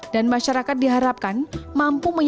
dan masyarakat diharapkan mampu meyakini kerja kerja pihak lainnya